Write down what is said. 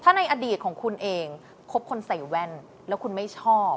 ถ้าในอดีตของคุณเองคบคนใส่แว่นแล้วคุณไม่ชอบ